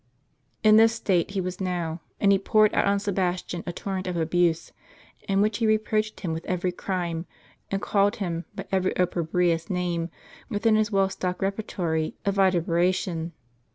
In this state he was now ; and he poured out on Sebastian a torrent of abuse, in which he reproached him with every crime, and called him by every opprobrious name, within his well stocked repertory of vituperation.